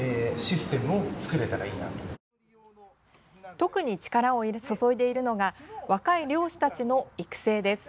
特に力を注いでいるのが若い猟師たちの育成です。